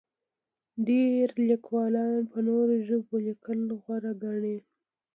ډېری لیکوالان په نورو ژبو لیکل غوره ګڼي.